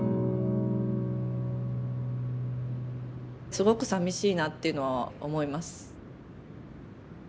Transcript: すごく寂しいなっていうのは思います。